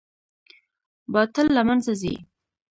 باطل له منځه ځي